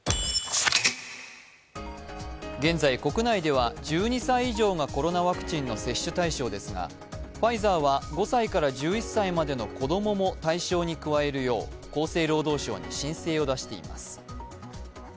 現在国内では１２歳以上がコロナワクチンの接種対象ですがファイザーは５歳から１１歳までの子供も対象に加えるよう厚生労働省に申請を出しています